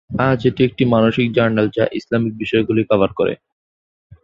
আজ, এটি একটি মাসিক জার্নাল যা ইসলামিক বিষয়গুলি কভার করে।